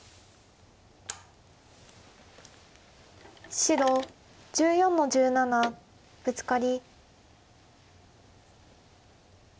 白１４の十七ブツカリ。